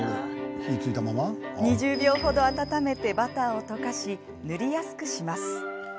２０秒程温めてバターを溶かし塗りやすくします。